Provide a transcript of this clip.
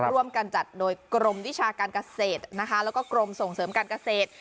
ร่วมกันจัดโดยกรมวิชาการเกษตรนะคะแล้วก็กรมส่งเสริมการเกษตร